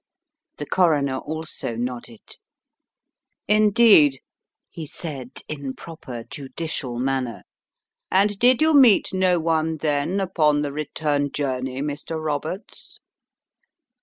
The coroner also nodded. "Indeed," he said, in proper judicial manner, "and did you meet no one then upon the return journey, Mr. Roberts?"